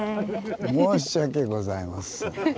申し訳ございません。